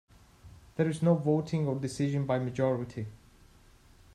There is no voting or decision by majority.